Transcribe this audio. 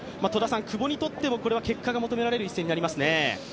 久保にとっても結果が求められる一戦となりますね。